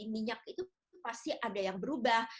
minyak itu pasti ada yang berubah